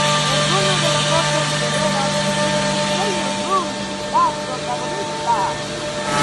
Es una de las ocho guerreras que siguen a Sailor Moon, la protagonista.